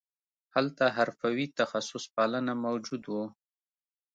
هلته حرفوي تخصص پالنه موجود وو